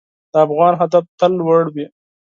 د افغان هدف تل لوړ وي.